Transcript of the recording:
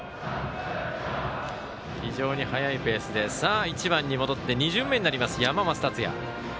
非常に速いペースで１番に戻って２巡目になります、山増達也。